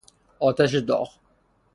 آتش داغ